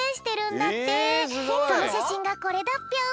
そのしゃしんがこれだぴょん。